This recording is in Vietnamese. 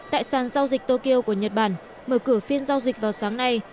tại sàn giao dịch tokyo của nhật bản mở cửa phiên giao dịch vào sáng nay